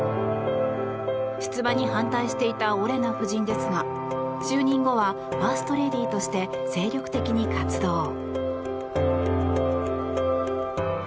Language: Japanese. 出馬に反対していたオレナ夫人ですが就任後はファーストレディーとして精力的に活動。